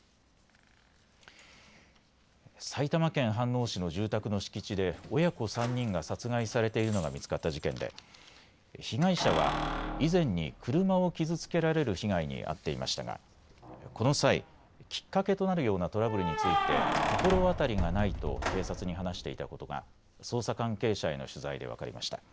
埼玉県飯能市の住宅の敷地で親子３人が殺害されているのが見つかった事件で被害者は以前に車を傷つけられる被害に遭っていましたがこの際、きっかけとなるようなトラブルについて心当たりがないと警察に話していたことが捜査関係者への取材で分かりました。